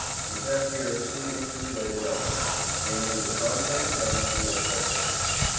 We have here two interrelated elements, namely the content and the expectation.